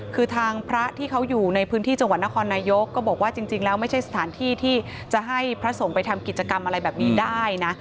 คือทางพระที่เขาอยู่ในพื้นที่จังหวัดนครนายกก็บอกว่าจริงแล้วไม่ใช่สถานที่ที่จะให้พระสงฆ์ไปทำกิจกรรมอะไรแบบนี้ได้นะ